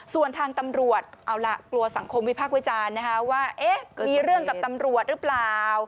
ส่วนทางตำรวจเอาล่ะกลัวสังคมวิพากษ์วิจารณ์นะคะว่ามีเรื่องกับตำรวจหรือเปล่า